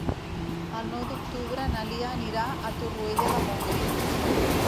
El nou d'octubre na Lia anirà a Torroella de Montgrí.